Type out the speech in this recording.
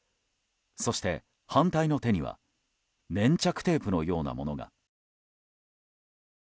そして反対の手には粘着テープのようなものが。